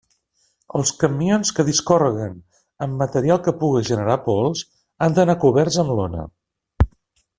Els camions que discórreguen amb material que puga generar pols han d'anar coberts amb lona.